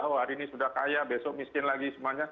oh hari ini sudah kaya besok miskin lagi semuanya